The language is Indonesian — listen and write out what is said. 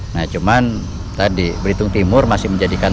nah cuman tadi belitung timur masih menjadikan